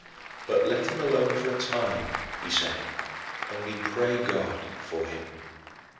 "But let him alone for a time," he said, "only pray God for him.